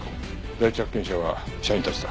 第一発見者は社員たちだ。